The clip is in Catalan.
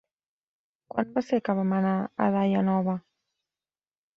Quan va ser que vam anar a Daia Nova?